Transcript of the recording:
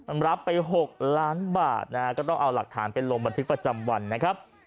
มันรับไป๖ล้านบาทนะฮะก็ต้องเอาหลักฐานไปลงบันทึกประจำวันนะครับ